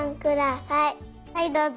はいどうぞ。